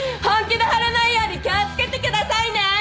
本気でほれないように気を付けてくださいね！